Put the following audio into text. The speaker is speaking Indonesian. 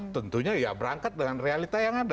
tentunya ya berangkat dengan realita yang ada